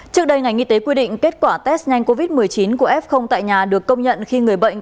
trước đây ngành y tế quy định kết quả test nhanh covid một mươi chín của f tại nhà được công nhận khi người bệnh